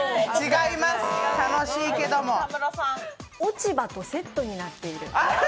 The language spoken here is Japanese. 落ち葉とセットになっている？